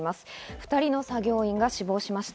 ２人の作業員が死亡しました。